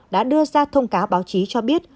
đã đưa ra thông cáo báo chí cho biết